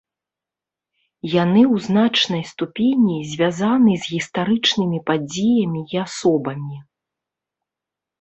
Яны ў значнай ступені звязаны з гістарычнымі падзеямі і асобамі.